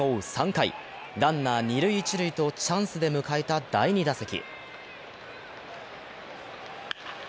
３回、ランナー二塁・一塁とチャンスで迎えた第２打席。